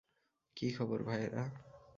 কী খবর, ভায়েরা?